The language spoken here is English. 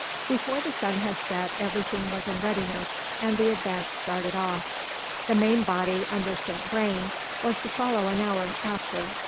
Before the sun had set, everything was in readiness, and the advance started off. The main body, under Saint Vrain, was to follow an hour after.